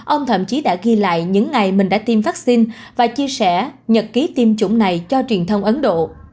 ông thậm chí đã ghi lại những ngày mình đã tiêm vaccine và chia sẻ nhật ký tiêm chủng này cho truyền thông ấn độ